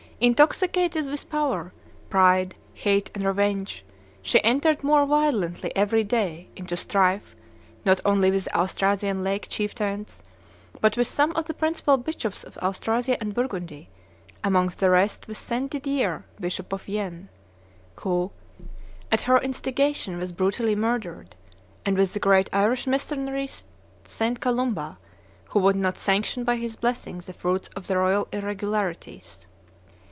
Intoxicated with power, pride, hate, and revenge, she entered more violently every day into strife not only with the Austrasian laic chieftains, but with some of the principal bishops of Austrasia and Burgundy, among the rest with St. Didier, bishop of Vienne, who, at her instigation, was brutally murdered, and with the great Irish missionary St. Columba, who would not sanction by his blessing the fruits of the royal irregularities.